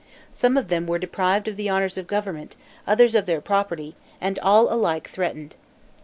Some of them were deprived of the honors of government, others of their property, and all alike threatened.